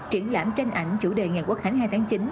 triển lãm tranh ảnh chủ đề ngày quốc khánh hai tháng chín